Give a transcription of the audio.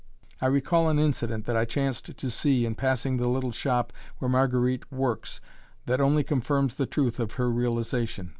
I recall an incident that I chanced to see in passing the little shop where Marguerite works, that only confirms the truth of her realization.